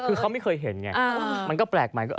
คือเขาไม่เคยเห็นไงมันก็แปลกใหม่